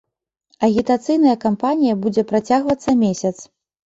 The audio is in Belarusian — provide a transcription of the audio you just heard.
Агітацыйная кампанія будзе працягвацца месяц.